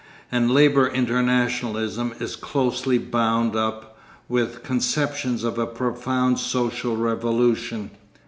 And labour internationalism is closely bound up with conceptions of a profound social revolution.